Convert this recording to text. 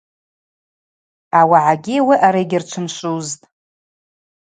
Ауагӏагьи ауи аъара йгьырчвымшвузтӏ.